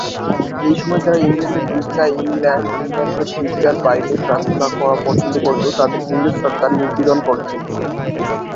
এই সময়ে, যাঁরা ইংল্যান্ডের গির্জা ইংল্যান্ড ইংল্যান্ডের গীর্জার বাইরে প্রার্থনা করা পছন্দ করত তাদের ইংরেজ সরকার নিপীড়ন করত।